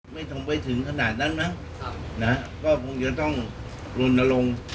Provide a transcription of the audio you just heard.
ไม่ต้องไปถึงขนาดนั้นมั้งก็คงจะต้องลนลง